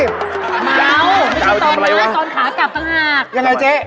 ไม่ต้องม้าตอนขากลับต่างหาก